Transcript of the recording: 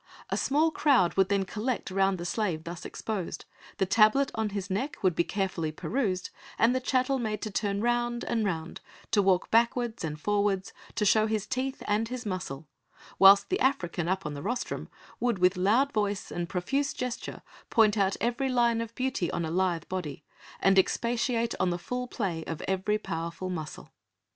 A small crowd would then collect round the slave thus exposed, the tablet on his neck would be carefully perused and the chattel made to turn round and round, to walk backwards and forwards, to show his teeth and his muscle, whilst the African up on the rostrum would with loud voice and profuse gesture point out every line of beauty on a lithe body and expatiate on the full play of every powerful muscle.